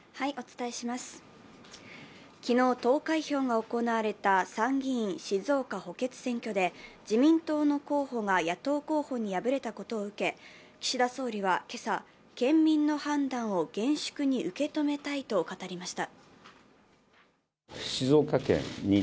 昨日、投開票が行われた参議院静岡補欠選挙で自民党の候補が野党候補に敗れたことを受け、岸田総理は今朝、県民の判断を厳粛に受け止めたいと語りました。